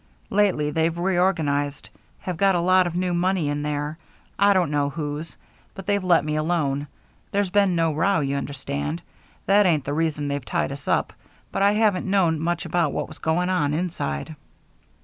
Lately they've reorganized have got a lot of new money in there I don't know whose, but they've let me alone. There's been no row, you understand. That ain't the reason they've tied us up, but I haven't known much about what was going on inside."